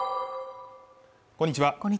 こんにちは